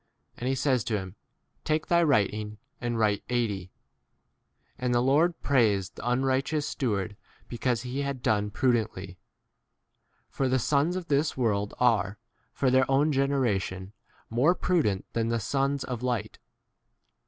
And he says to him, Take thy writing and 8 write eighty. And the lord prais ed the unrighteous steward be cause he had done prudently. For the sons of this world are, for their own generation, more pru 9 dent than the sons of light.